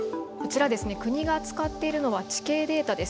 こちら国が使っているのは地形データです。